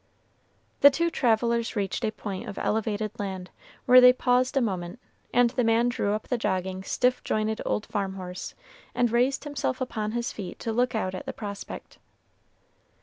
The two travelers reached a point of elevated land, where they paused a moment, and the man drew up the jogging, stiff jointed old farm horse, and raised himself upon his feet to look out at the prospect.